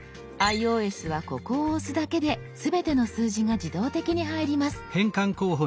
ｉＯＳはここを押すだけで全ての数字が自動的に入ります。